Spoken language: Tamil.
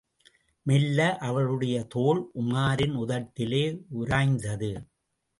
மெல்ல அவளுடைய தோள் உமாரின் உதட்டிலே உராய்ந்தது.